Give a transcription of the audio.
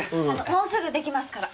もうすぐ出来ますから。